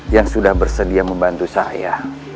yang sudah bersedia membantu saya